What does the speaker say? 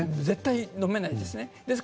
絶対のめないです。